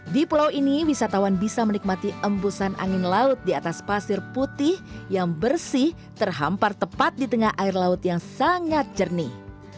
di pulau ini wisatawan bisa menikmati embusan angin laut di atas pasir putih yang bersih terhampar tepat di tengah air laut yang sangat jernih